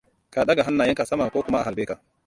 Ka ɗaga hannayenka sama ko kuma a harbe ka.